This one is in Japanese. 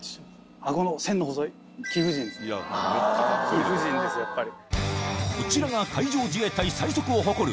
貴婦人ですよやっぱり。